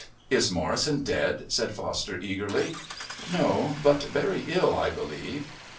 is Morrison dead?" said Foster eagerly. "No, but very ill, I believe."